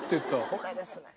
これですね。